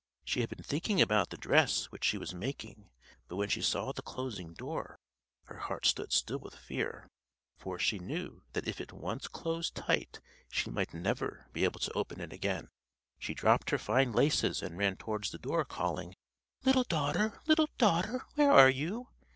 She had been thinking about the dress which she was making; but when she saw the closing door, her heart stood still with fear; for she knew that if it once closed tight she might never be able to open it again. She dropped her fine laces and ran towards the door, calling, "Little Daughter! Little Daughter! Where are you?"